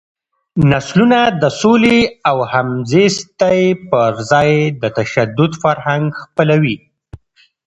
نسلونه د سولې او همزیستۍ پر ځای د تشدد فرهنګ خپلوي.